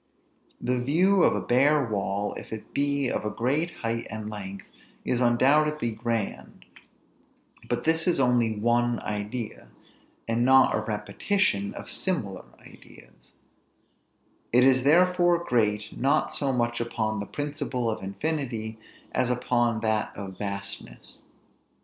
The view of a bare wall, if it be of a great height and length, is undoubtedly grand; but this is only one idea, and not a repetition of similar ideas: it is therefore great, not so much upon the principle of infinity, as upon that of vastness.